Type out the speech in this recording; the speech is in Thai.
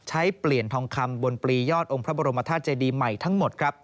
ใช้เปลี่ยนทองคำบนปรียอดองค์พระบรมธาตุเจดีใหม่ทั้งหมดครับ